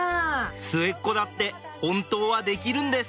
末っ子だって本当はできるんです！